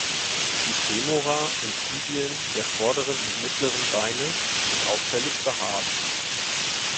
Die Femora und Tibien der vorderen und mittleren Beine sind auffällig behaart.